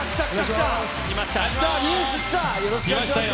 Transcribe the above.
よろしくお願いします。